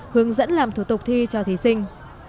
hướng dẫn làm thủ tục thi cho thí sinh